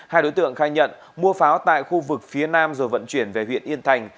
hai đối tượng khai nhận mua pháo tại khu vực phía nam rồi vận chuyển về huyện yên thành